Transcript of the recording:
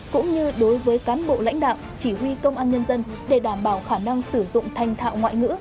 cũng như đối với cán bộ lãnh đạo chỉ huy công an nhân dân để đảm bảo khả năng sử dụng thành thạo ngoại ngữ